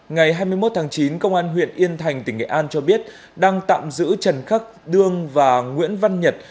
ngày hai mươi một tháng chín công an huyện yên thành tỉnh nghệ an cho biết đang tạm giữ trần khắc đương và nguyễn văn nhật